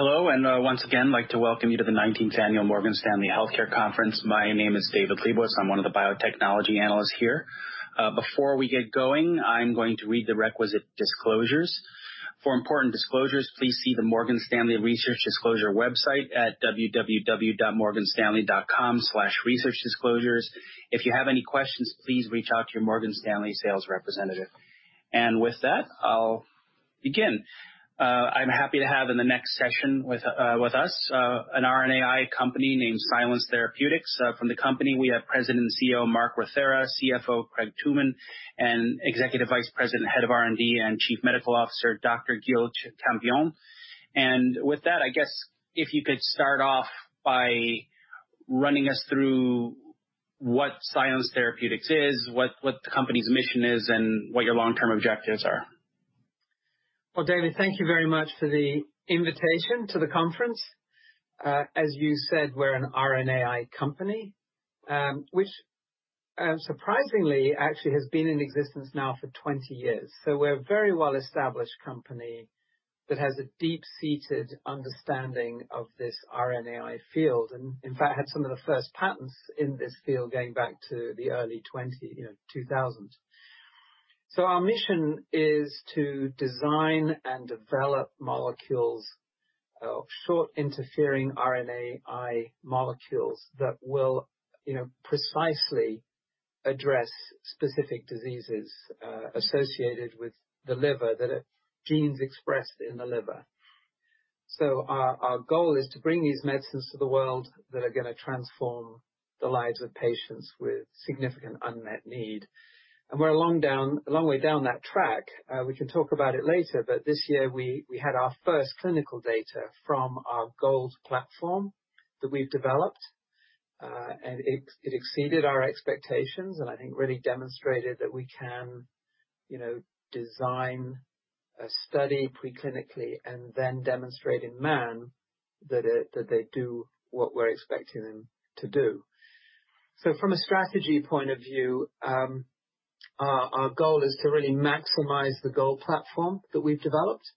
Hello, once again, I'd like to welcome you to the 19th Annual Morgan Stanley Global Healthcare Conference. My name is David Lebowitz. I'm one of the biotechnology analysts here. Before we get going, I'm going to read the requisite disclosures. For important disclosures, please see the Morgan Stanley Research Disclosure website at www.morganstanley.com/researchdisclosures. If you have any questions, please reach out to your Morgan Stanley sales representative. With that, I'll begin. I'm happy to have in the next session with us, an RNAi company named Silence Therapeutics. From the company, we have President and CEO, Mark Rothera, CFO, Craig Tooman, and Executive Vice President, Head of R&D, and Chief Medical Officer, Dr. Giles Campion. With that, I guess if you could start off by running us through what Silence Therapeutics is, what the company's mission is, and what your long-term objectives are. David, thank you very much for the invitation to the conference. As you said, we're an RNAi company, which surprisingly, actually has been in existence now for 20 years. We're a very well-established company that has a deep-seated understanding of this RNAi field, and in fact, had some of the first patents in this field going back to the early 2000s. Our mission is to design and develop molecules of short interfering RNAi molecules that will precisely address specific diseases associated with the liver, that are genes expressed in the liver. Our goal is to bring these medicines to the world that are going to transform the lives of patients with significant unmet need. We're a long way down that track. We can talk about it later, this year, we had our first clinical data from our GOLD platform that we've developed. It exceeded our expectations, and I think really demonstrated that we can design a study pre-clinically and then demonstrate in man that they do what we're expecting them to do. From a strategy point of view, our goal is to really maximize the GOLD platform that we've developed,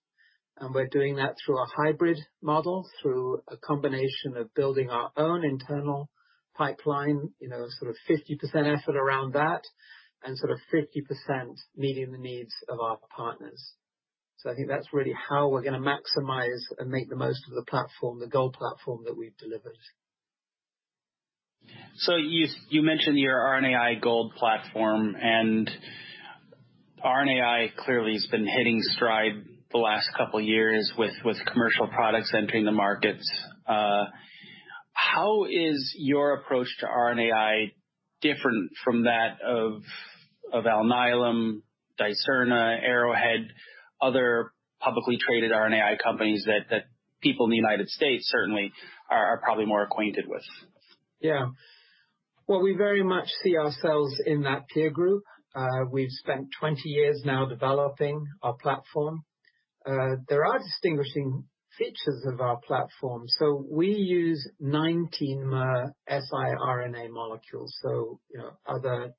and we're doing that through a hybrid model, through a combination of building our own internal pipeline, sort of 50% effort around that, and sort of 50% meeting the needs of our partners. I think that's really how we're going to maximize and make the most of the platform, the GOLD platform that we've delivered. You mentioned your RNAi GOLD platform, and RNAi clearly has been hitting stride the last couple of years with commercial products entering the markets. How is your approach to RNAi different from that of Alnylam, Dicerna, Arrowhead, other publicly traded RNAi companies that people in the U.S. certainly are probably more acquainted with? Yeah. Well, we very much see ourselves in that peer group. We've spent 20 years now developing our platform. There are distinguishing features of our platform. We use 19-mer siRNA molecules. Other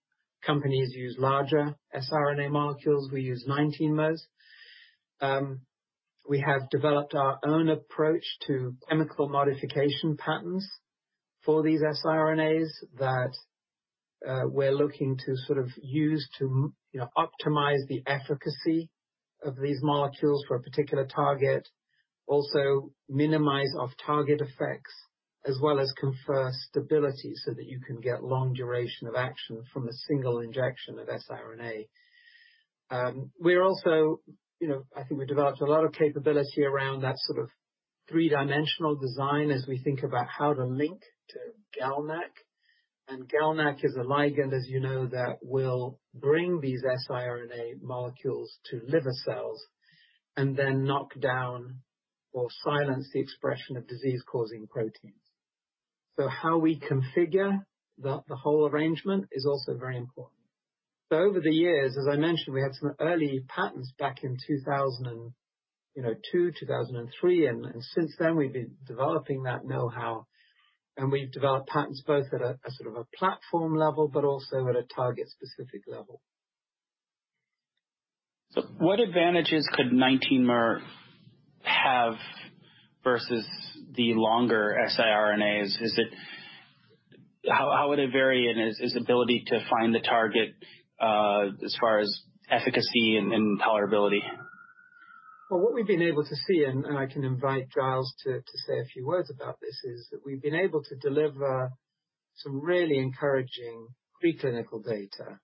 companies use larger siRNA molecules. We use 19-mers. We have developed our own approach to chemical modification patents for these siRNAs that we're looking to sort of use to optimize the efficacy of these molecules for a particular target. Also minimize off-target effects, as well as confer stability so that you can get long duration of action from a single injection of siRNA. I think we've developed a lot of capability around that sort of three-dimensional design as we think about how to link to GalNAc. GalNAc is a ligand, as you know, that will bring these siRNA molecules to liver cells and then knock down or silence the expression of disease-causing proteins. How we configure the whole arrangement is also very important. Over the years, as I mentioned, we had some early patents back in 2002, 2003, and since then, we've been developing that knowhow, and we've developed patents both at a sort of a platform level, but also at a target-specific level. What advantages could 19-mer have versus the longer siRNAs? How would it vary in its ability to find the target, as far as efficacy and tolerability? What we've been able to see, and I can invite Giles to say a few words about this, is that we've been able to deliver some really encouraging pre-clinical data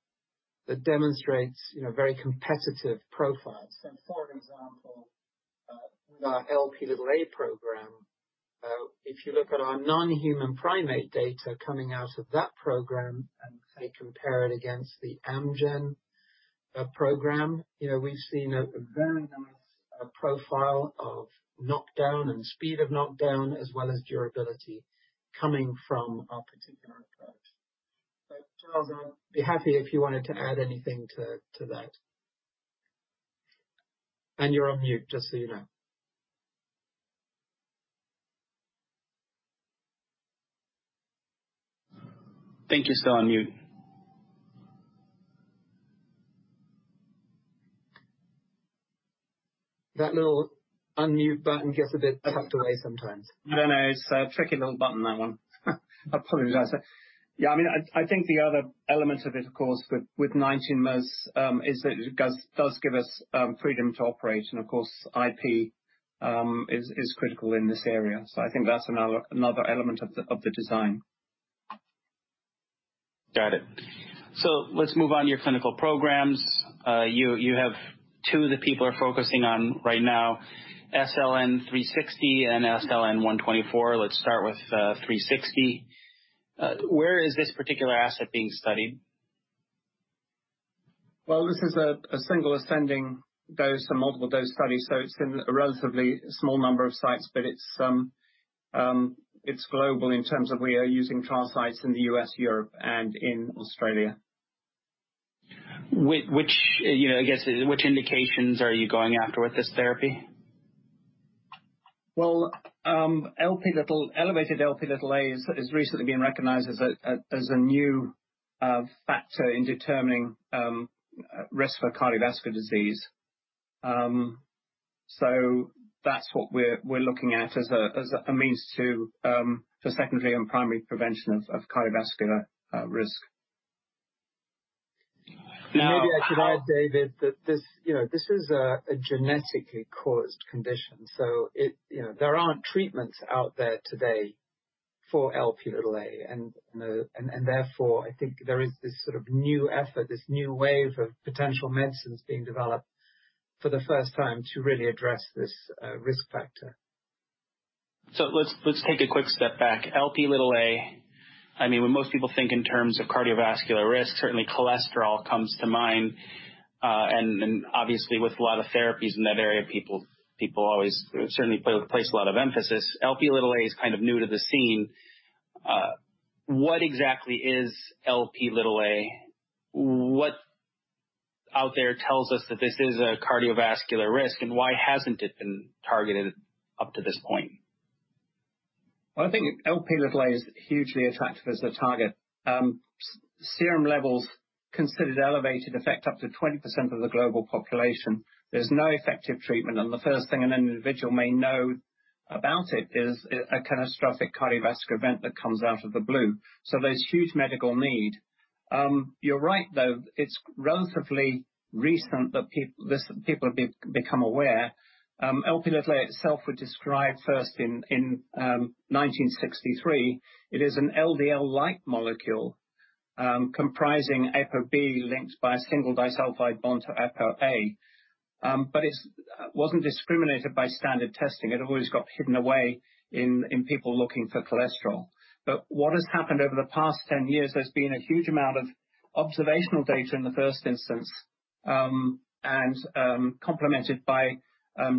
that demonstrates very competitive profiles. For example, our Lp(a) program, if you look at our non-human primate data coming out of that program and say compare it against the Amgen program, we've seen a very nice profile of knockdown and speed of knockdown, as well as durability coming from our particular approach. Giles, I'd be happy if you wanted to add anything to that. And you're on mute, just so you know. I think you're still on mute. That little unmute button gets a bit tucked away sometimes. I know. It's a tricky little button, that one. I apologize. Yeah, I think the other element of it, of course, with 19-mers, is that it does give us freedom to operate, and of course, IP is critical in this area. I think that's another element of the design. Got it. Let's move on to your clinical programs. You have two that people are focusing on right now, SLN360 and SLN124. Let's start with 360. Where is this particular asset being studied? This is a single ascending dose, a multiple dose study, so it's in a relatively small number of sites, but it's global in terms of we are using trial sites in the U.S., Europe, and in Australia. I guess, which indications are you going after with this therapy? Well, elevated Lp has recently been recognized as a new factor in determining risk for cardiovascular disease. That's what we're looking at as a means to secondary and primary prevention of cardiovascular risk. Maybe I should add, David, that this is a genetically caused condition, so there aren't treatments out there today for Lp(a), and therefore, I think there is this sort of new effort, this new wave of potential medicines being developed for the first time to really address this risk factor. Let's take a quick step back. Lp(a), when most people think in terms of cardiovascular risk, certainly cholesterol comes to mind, and obviously with a lot of therapies in that area, people always certainly place a lot of emphasis. Lp(a) is kind of new to the scene. What exactly is Lp(a)? What out there tells us that this is a cardiovascular risk, and why hasn't it been targeted up to this point? Well, I think Lp is hugely attractive as a target. Serum levels considered elevated affect up to 20% of the global population. There's no effective treatment. The first thing an individual may know about it is a catastrophic cardiovascular event that comes out of the blue. There's huge medical need. You're right, though, it's relatively recent that people become aware. Lp itself was described first in 1963. It is an LDL-like molecule comprising ApoB linked by a single disulfide bond to Apo(a). It wasn't discriminated by standard testing. It always got hidden away in people looking for cholesterol. What has happened over the past 10 years, there's been a huge amount of observational data in the first instance, and complemented by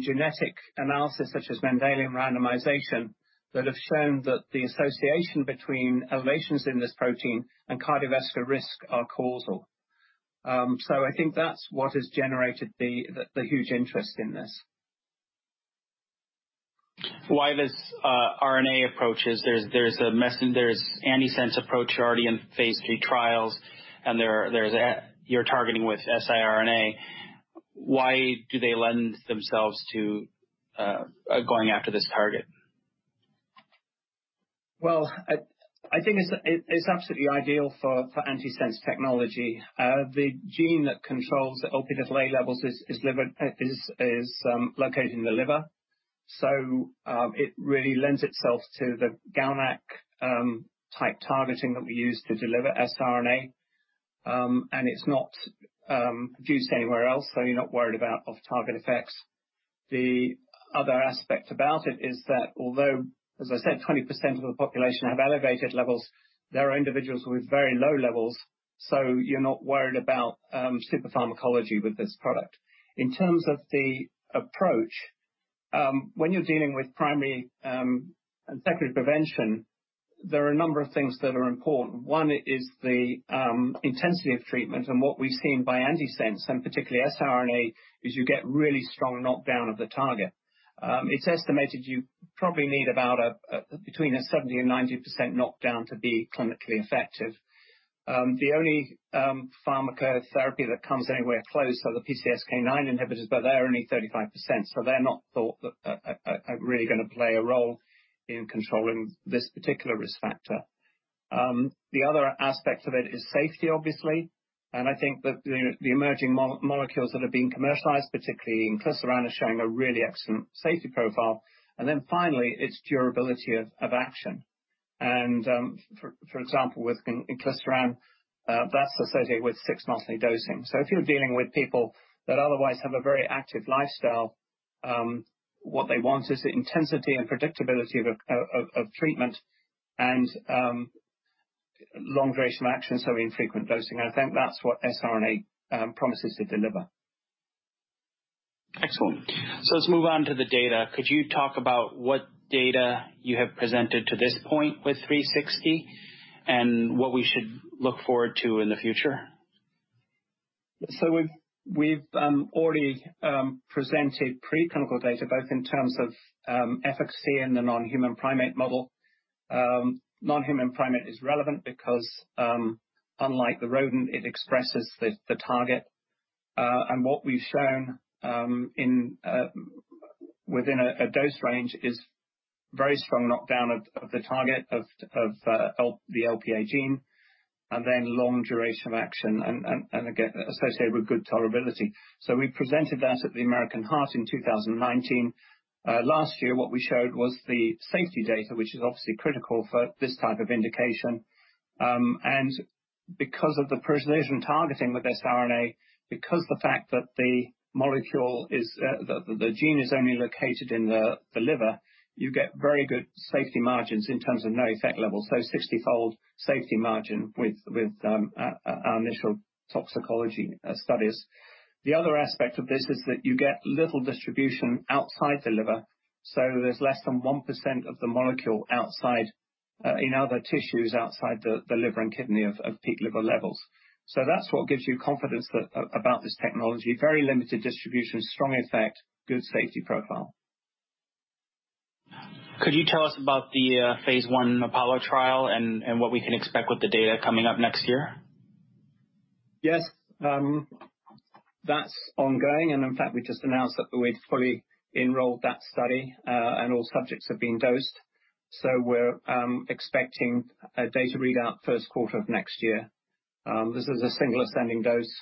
genetic analysis such as Mendelian randomization, that have shown that the association between elevations in this protein and cardiovascular risk are causal. I think that's what has generated the huge interest in this. Why this RNA approaches, there's antisense approach already in phase III trials, and you're targeting with siRNA. Why do they lend themselves to going after this target? Well, I think it's absolutely ideal for antisense technology. The gene that controls Lp levels is located in the liver, so it really lends itself to the GalNAc type targeting that we use to deliver siRNA, and it's not produced anywhere else, so you're not worried about off-target effects. The other aspect about it is that although, as I said, 20% of the population have elevated levels, there are individuals with very low levels, so you're not worried about super pharmacology with this product. In terms of the approach, when you're dealing with primary and secondary prevention, there are a number of things that are important. One is the intensity of treatment and what we've seen by antisense, and particularly siRNA, is you get really strong knockdown of the target. It's estimated you probably need about between a 70% and 90% knockdown to be clinically effective. The only pharmacotherapy that comes anywhere close are the PCSK9 inhibitors, but they're only 35%, so they're not thought that are really going to play a role in controlling this particular risk factor. The other aspect of it is safety, obviously, and I think that the emerging molecules that are being commercialized, particularly inclisiran, are showing a really excellent safety profile. Then finally, it's durability of action. For example, with inclisiran, that's associated with six-monthly dosing. If you're dealing with people that otherwise have a very active lifestyle, what they want is the intensity and predictability of treatment and long duration of action, so infrequent dosing. I think that's what siRNA promises to deliver. Excellent. Let's move on to the data. Could you talk about what data you have presented to this point with 360 and what we should look forward to in the future? We've already presented preclinical data both in terms of efficacy in the non-human primate model. Non-human primate is relevant because, unlike the rodent, it expresses the target. What we've shown within a dose range is very strong knockdown of the target of the LPA gene, and then long duration of action, and again, associated with good tolerability. We presented that at the American Heart in 2019. Last year, what we showed was the safety data, which is obviously critical for this type of indication. Because of the precision targeting with siRNA, because the fact that the gene is only located in the liver, you get very good safety margins in terms of no effect level. 60-fold safety margin with our initial toxicology studies. The other aspect of this is that you get little distribution outside the liver. There's less than 1% of the molecule in other tissues outside the liver and kidney of peak liver levels. That's what gives you confidence about this technology. Very limited distribution, strong effect, good safety profile. Could you tell us about the phase I APOLLO trial and what we can expect with the data coming up next year? Yes. That's ongoing, and in fact, we just announced that we'd fully enrolled that study, and all subjects have been dosed. We're expecting a data readout first quarter of next year. This is a single ascending dose.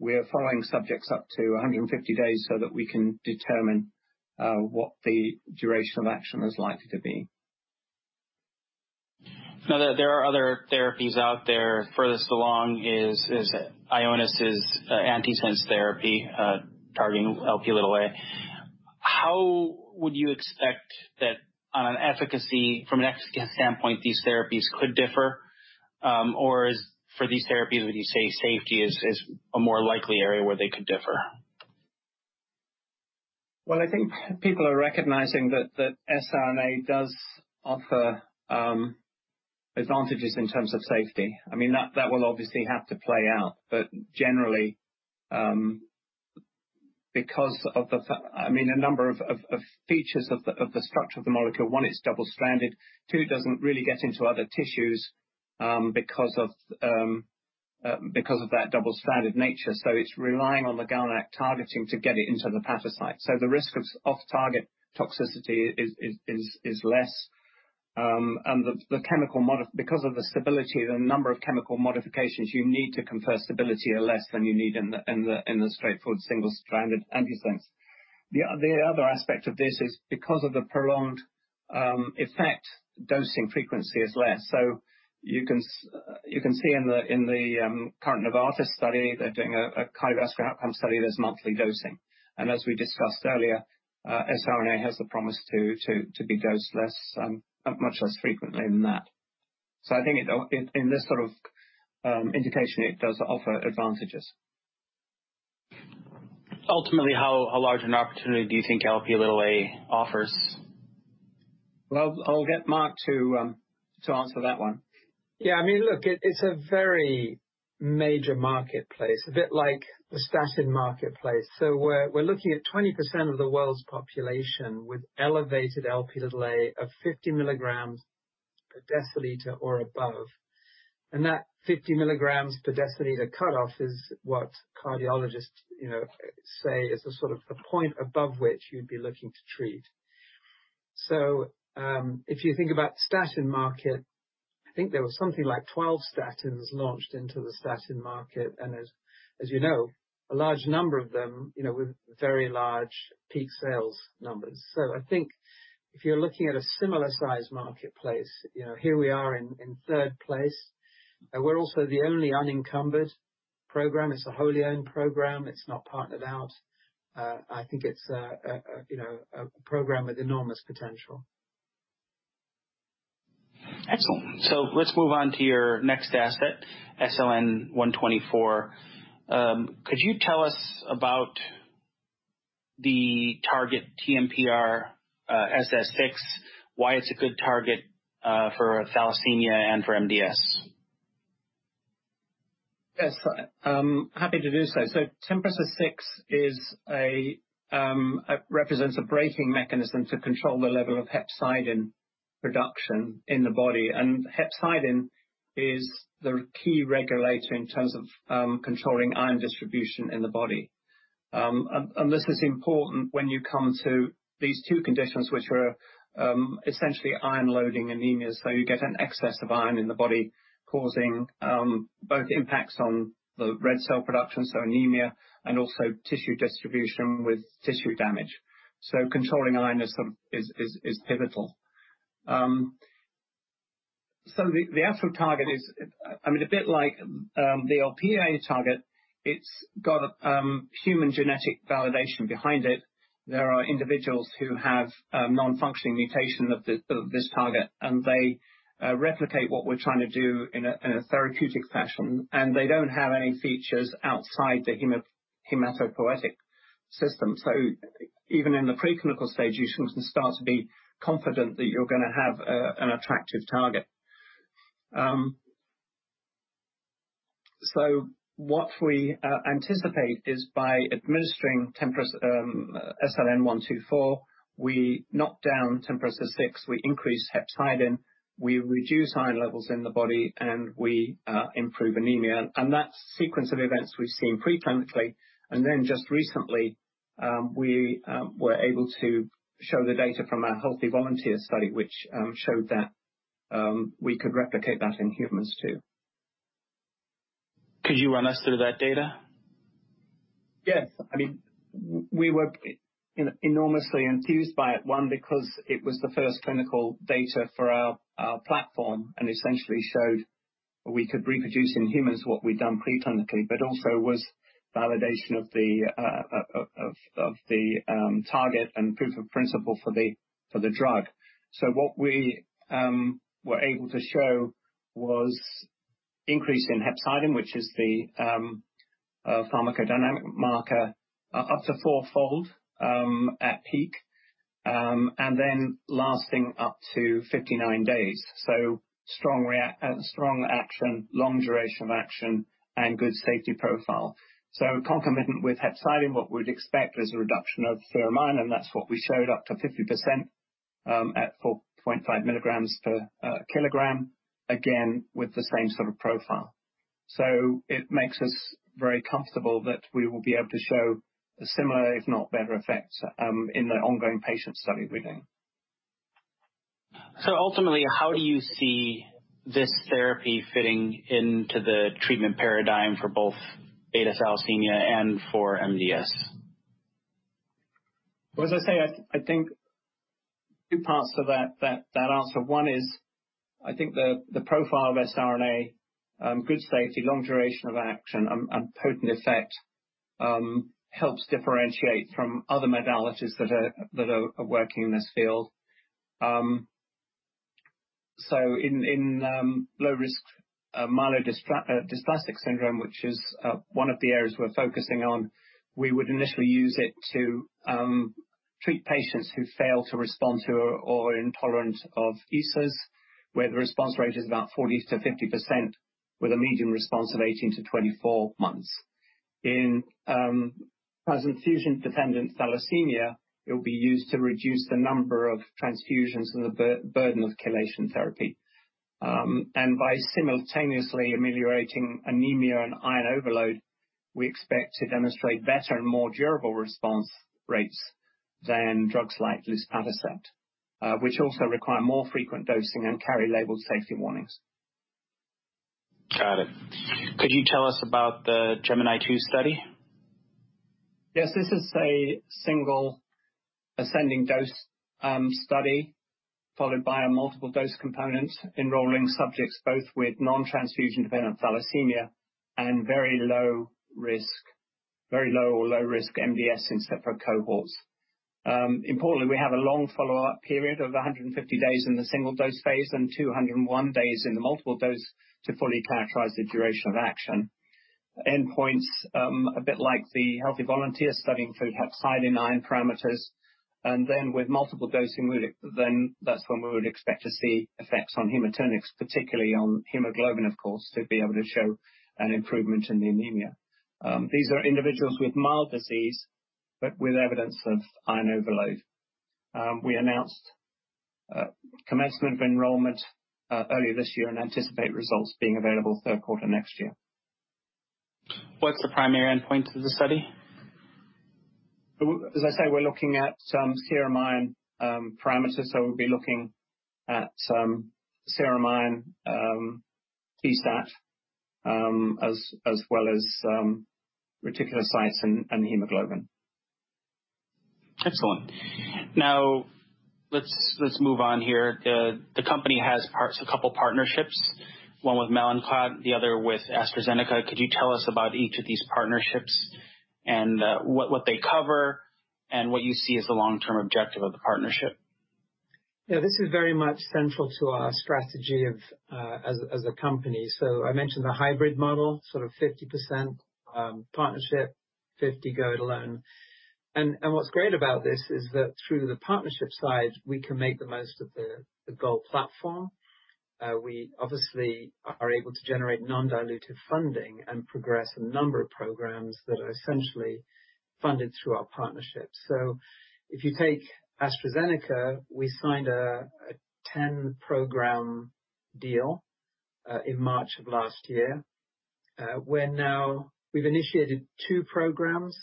We are following subjects up to 150 days so that we can determine what the duration of action is likely to be. There are other therapies out there. Furthest along is Ionis' antisense therapy targeting Lp(a). How would you expect that on efficacy from an efficacy standpoint, these therapies could differ? For these therapies, would you say safety is a more likely area where they could differ? Well, I think people are recognizing that siRNA does offer advantages in terms of safety. That will obviously have to play out. Generally, because of the number of features of the structure of the molecule, one, it's double-stranded, two, it doesn't really get into other tissues because of that double-stranded nature. It's relying on the GalNAc targeting to get it into the hepatocyte. The risk of off-target toxicity is less. Because of the stability, the number of chemical modifications you need to confer stability are less than you need in the straightforward single-stranded antisense. The other aspect of this is because of the prolonged effect, dosing frequency is less. You can see in the current Novartis study, they're doing a cardiovascular outcome study, there's monthly dosing. As we discussed earlier, siRNA has the promise to be dosed much less frequently than that. I think in this sort of indication, it does offer advantages. Ultimately, how large an opportunity do you think Lp(a) offers? Well, I'll get Mark to answer that one. Look, it's a very major market, a bit like the statin market. We're looking at 20% of the world's population with elevated Lp(a) of 50 mg per deciliter or above. That 50 mg per deciliter cutoff is what cardiologists say is the sort of a point above which you'd be looking to treat. If you think about statin market, I think there were something like 12 statins launched into the statin market. As you know, a large number of them with very large peak sales numbers. I think if you're looking at a similar-sized market, here we are in third place. We're also the only unencumbered program. It's a wholly owned program. It's not partnered out. I think it's a program with enormous potential. Excellent. Let's move on to your next asset, SLN124. Could you tell us about the target TMPRSS6, why it's a good target for thalassemia and for MDS? Yes. Happy to do so. TMPRSS6 represents a braking mechanism to control the level of hepcidin production in the body. Hepcidin is the key regulator in terms of controlling iron distribution in the body. This is important when you come to these two conditions, which are essentially iron-loading anemia. You get an excess of iron in the body, causing both impacts on the red cell production, so anemia, and also tissue distribution with tissue damage. Controlling iron is pivotal. The actual target is a bit like the LPA target. It's got a human genetic validation behind it. There are individuals who have a non-functioning mutation of this target, and they replicate what we're trying to do in a therapeutic fashion, and they don't have any features outside the hematopoietic system. Even in the preclinical stage, you can start to be confident that you're going to have an attractive target. What we anticipate is by administering SLN124, we knock down TMPRSS6, we increase hepcidin, we reduce iron levels in the body, and we improve anemia. That sequence of events we've seen pre-clinically, just recently, we were able to show the data from our healthy volunteer study, which showed that we could replicate that in humans too. Could you run us through that data? Yes. We were enormously enthused by it. One, because it was the first clinical data for our platform, and essentially showed we could reproduce in humans what we'd done pre-clinically, but also was validation of the target and proof of principle for the drug. What we were able to show was increase in hepcidin, which is the pharmacodynamic marker, up to four-fold, at peak, and then lasting up to 59 days. Strong action, long duration of action, and good safety profile. Concomitant with hepcidin, what we'd expect is a reduction of ferroportin, and that's what we showed up to 50% at 4.5 mg per kilogram, again, with the same sort of profile. It makes us very comfortable that we will be able to show similar, if not better effects, in the ongoing patient study we're doing. Ultimately, how do you see this therapy fitting into the treatment paradigm for both beta thalassemia and for MDS? Well, as I say, I think two parts to that answer. One is, I think the profile of siRNA, good safety, long duration of action, and potent effect, helps differentiate from other modalities that are working in this field. In low risk myelodysplastic syndrome, which is one of the areas we're focusing on, we would initially use it to treat patients who fail to respond to or are intolerant of ESAs, where the response rate is about 40%-50%, with a median response of 18-24 months. In transfusion dependent thalassemia, it will be used to reduce the number of transfusions and the burden of chelation therapy. By simultaneously ameliorating anemia and iron overload, we expect to demonstrate better and more durable response rates than drugs like luspatercept, which also require more frequent dosing and carry labeled safety warnings. Got it. Could you tell us about the GEMINI II study? Yes. This is a single ascending dose study followed by a multiple dose component enrolling subjects both with non-transfusion dependent thalassemia and very low or low risk MDS in separate cohorts. Importantly, we have a long follow-up period of 150 days in the single dose phase and 201 days in the multiple dose to fully characterize the duration of action. End points, a bit like the healthy volunteer study, include hepcidin iron parameters, and then with multiple dosing then that's when we would expect to see effects on hematinics, particularly on hemoglobin, of course, to be able to show an improvement in the anemia. These are individuals with mild disease but with evidence of iron overload. We announced commencement of enrollment earlier this year and anticipate results being available third quarter next year. What's the primary endpoint of the study? As I say, we're looking at some serum iron parameters, so we'll be looking at serum iron, TSAT, as well as reticulocytes and hemoglobin. Excellent. Let's move on here. The company has a couple partnerships, one with Mallinckrodt, the other with AstraZeneca. Could you tell us about each of these partnerships and what they cover and what you see as the long-term objective of the partnership? This is very much central to our strategy as a company. I mentioned the hybrid model, sort of 50% partnership, 50% go it alone. What's great about this is that through the partnership side, we can make the most of the GOLD platform. We obviously are able to generate non-dilutive funding and progress a number of programs that are essentially funded through our partnerships. If you take AstraZeneca, we signed a 10-program deal in March of last year. We've initiated two programs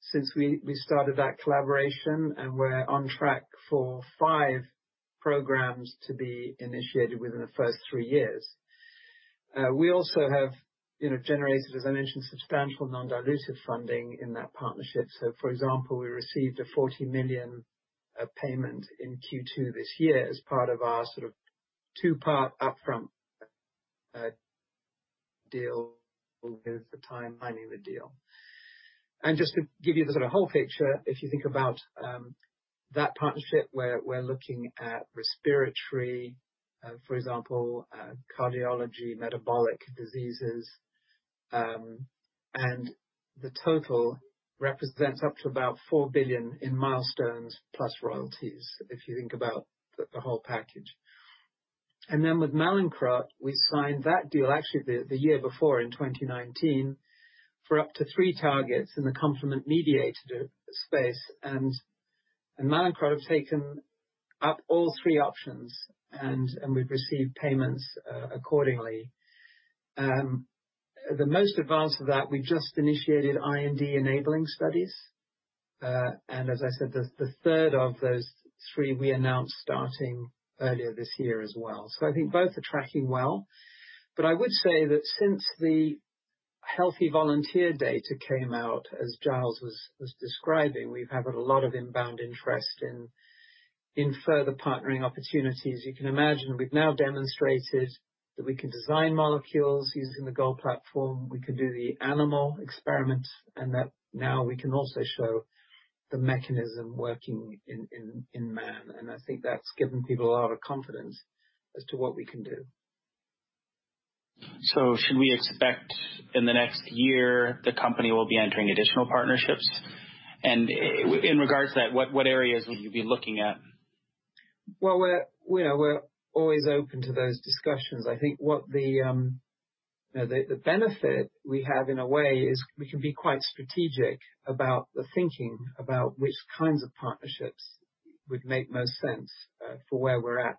since we started that collaboration. We're on track for five programs to be initiated within the first three years. We also have generated, as I mentioned, substantial non-dilutive funding in that partnership. For example, we received a $40 million payment in Q2 this year as part of our sort of two-part upfront deal with the timing of the deal. Just to give you the sort of whole picture, if you think about that partnership where we're looking at respiratory, for example, cardiology, metabolic diseases. The total represents up to about 4 billion in milestones plus royalties, if you think about the whole package. With Mallinckrodt, we signed that deal actually the year before in 2019, for up to three targets in the complement-mediated space. Mallinckrodt have taken up all three options, and we've received payments accordingly. The most advanced of that, we've just initiated IND-enabling studies. As I said, the third of those three we announced starting earlier this year as well. I think both are tracking well. I would say that since the healthy volunteer data came out, as Giles was describing, we've had a lot of inbound interest in further partnering opportunities. You can imagine we've now demonstrated that we can design molecules using the Gold platform, we can do the animal experiments, and that now we can also show the mechanism working in man. I think that's given people a lot of confidence as to what we can do. Should we expect in the next year, the company will be entering additional partnerships? In regards to that, what areas would you be looking at? Well, we're always open to those discussions. I think what the benefit we have in a way is we can be quite strategic about the thinking about which kinds of partnerships would make most sense for where we're at,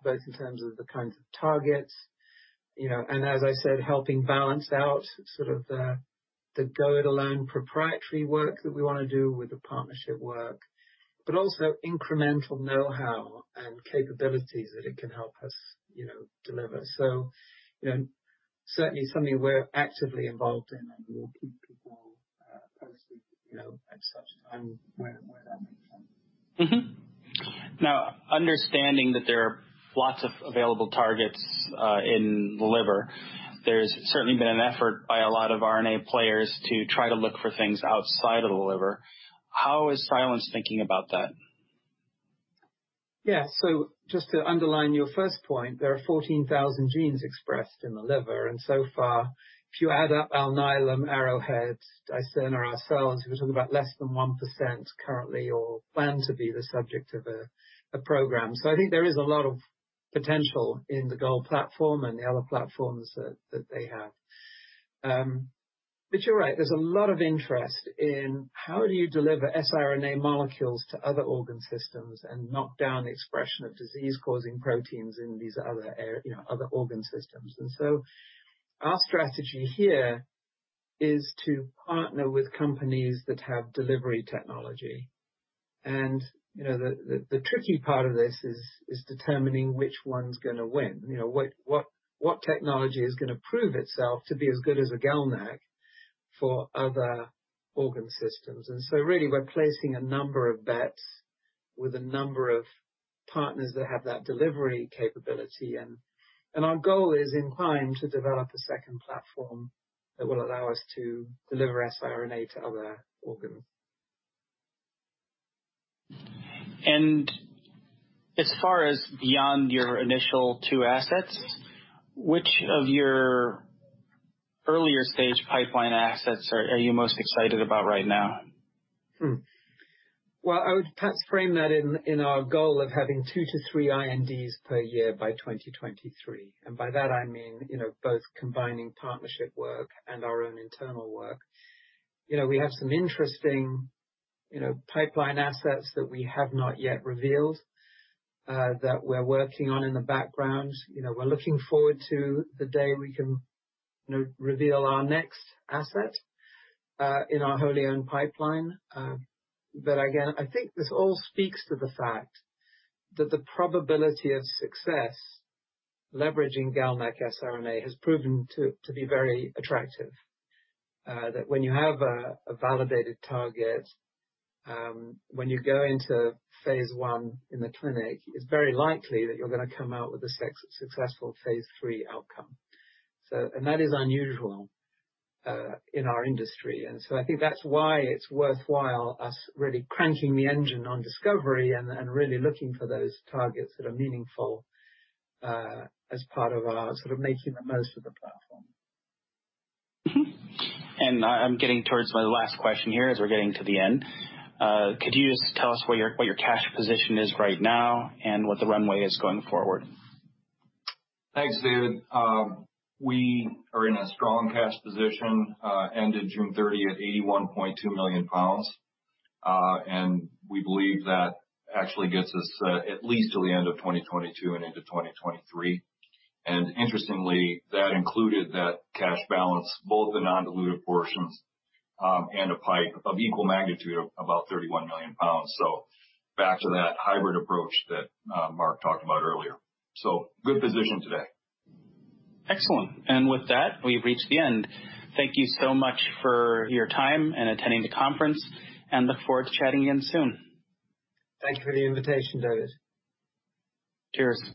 both in terms of the kinds of targets, and as I said, helping balance out sort of the go-it-alone proprietary work that we want to do with the partnership work, but also incremental know-how and capabilities that it can help us deliver. Certainly something we're actively involved in, and we will keep people posted at such time where that makes sense. Understanding that there are lots of available targets in the liver, there's certainly been an effort by a lot of RNA players to try to look for things outside of the liver. How is Silence thinking about that? Just to underline your first point, there are 14,000 genes expressed in the liver, and so far, if you add up Alnylam, Arrowhead, Dicerna, ourselves, we're talking about less than 1% currently all plan to be the subject of a program. I think there is a lot of potential in the GOLD platform and the other platforms that they have. You're right, there's a lot of interest in how do you deliver siRNA molecules to other organ systems and knock down expression of disease-causing proteins in these other organ systems. Our strategy here is to partner with companies that have delivery technology. The tricky part of this is determining which one's going to win. What technology is going to prove itself to be as good as a GalNAc for other organ systems? Really, we're placing a number of bets with a number of partners that have that delivery capability, and our goal is in time to develop a second platform that will allow us to deliver siRNA to other organs. As far as beyond your initial two assets, which of your earlier stage pipeline assets are you most excited about right now? Well, I would perhaps frame that in our goal of having two to three INDs per year by 2023. By that, I mean, both combining partnership work and our own internal work. We have some interesting pipeline assets that we have not yet revealed, that we're working on in the background. We're looking forward to the day we can reveal our next asset in our wholly-owned pipeline. Again, I think this all speaks to the fact that the probability of success leveraging GalNAc siRNA has proven to be very attractive. That when you have a validated target, when you go into phase I in the clinic, it's very likely that you're going to come out with a successful phase III outcome. That is unusual in our industry. I think that's why it's worthwhile us really cranking the engine on discovery and really looking for those targets that are meaningful as part of our sort of making the most of the platform. I'm getting towards my last question here as we're getting to the end. Could you just tell us what your cash position is right now and what the runway is going forward? Thanks, David. We are in a strong cash position, ended June 30th at 81.2 million pounds. We believe that actually gets us at least till the end of 2022 and into 2023. Interestingly, that included that cash balance, both the non-dilutive portions and a PIPE of equal magnitude of about 31 million pounds. Back to that hybrid approach that Mark talked about earlier. Good position today. Excellent. With that, we've reached the end. Thank you so much for your time and attending the conference, and look forward to chatting again soon. Thank you for the invitation, David. Cheers.